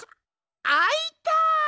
あいた！